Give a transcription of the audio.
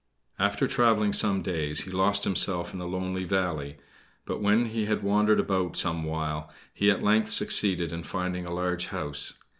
After traveling some days, he lost himself in a lonely valley; but, when he had wandered about some while, he at length succeeded in finding a large house.